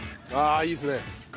ああいいですね！